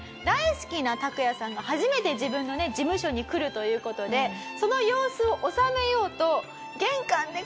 大好きなタクヤさんが初めて自分の事務所に来るという事でその様子を収めようと。